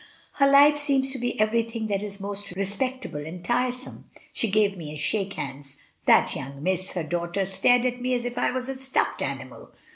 Her life seems to be everything that is most respectable and tiresome; she gave me a shake hands; that young miss, her daughter, stared at me as if I was a stuffed animal.